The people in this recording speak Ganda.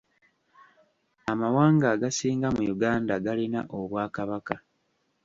Amawanga agasinga mu Uganda galina obwakabaka.